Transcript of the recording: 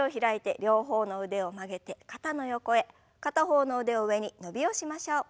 片方の腕を上に伸びをしましょう。